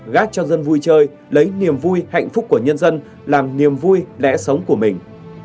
gác cho dân vui chơi lấy niềm vui hạnh phúc của nhân dân làm niềm vui lẽ sống của mình